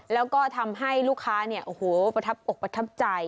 แล้วก็ทำให้ลูกค้าเนี่ยโอ้โหประทับอกประทับใจ